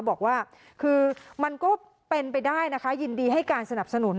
บอกว่าคือมันก็เป็นไปได้นะคะยินดีให้การสนับสนุน